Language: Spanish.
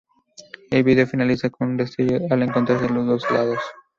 El video finaliza con un destello al encontrarse los dos.